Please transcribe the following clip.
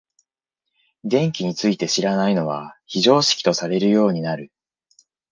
電気について知らないのは非常識とされるようになる。